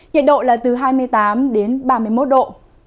nhiệt độ là từ hai mươi tám đến ba mươi một độ